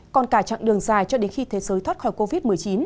còn cả chặng đường dài cho đến khi thế giới thoát khỏi covid một mươi chín